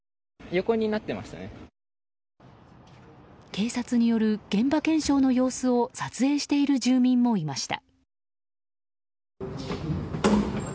警察による現場検証の様子を撮影している住民もいました。